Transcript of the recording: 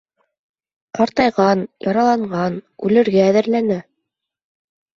Ҡартайған, яраланған, үлергә әҙерләнә.